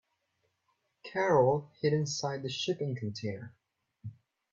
Carol hid inside the shipping container.